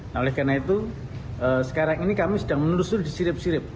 nah oleh karena itu sekarang ini kami sedang menelusuri disirip sirip